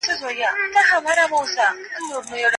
آیا داسې یو مشر به بیا کله د نړۍ په تاریخ کې پیدا شي؟